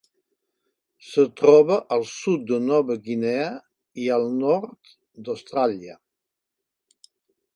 Es troba al sud de Nova Guinea i el nord d'Austràlia.